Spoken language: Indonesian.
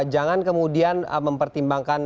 jangan kemudian mempertimbangkan